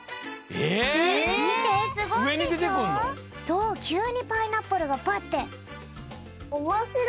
そうきゅうにパイナップルがバッて。